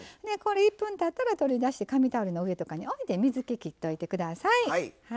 これ１分たったら取り出して紙タオルの上とかにおいて水けきっといて下さい。